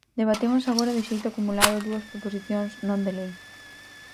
Debatemos agora de xeito acumulado dúas proposicións non de lei.